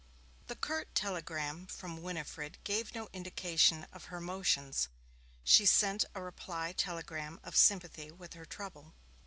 The curt telegram from Winifred gave no indication of her emotions. He sent a reply telegram of sympathy with her trouble.